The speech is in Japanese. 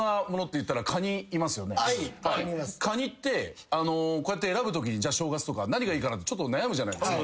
カニって選ぶときに正月とか何がいいかなってちょっと悩むじゃないですか。